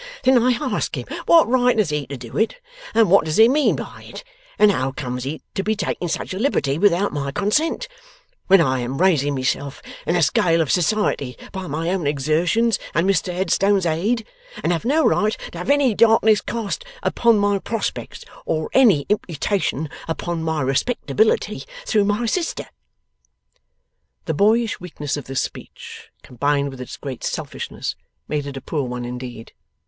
Then I ask him what right has he to do it, and what does he mean by it, and how comes he to be taking such a liberty without my consent, when I am raising myself in the scale of society by my own exertions and Mr Headstone's aid, and have no right to have any darkness cast upon my prospects, or any imputation upon my respectability, through my sister?' The boyish weakness of this speech, combined with its great selfishness, made it a poor one indeed.